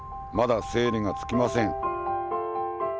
まだ整理がつきません。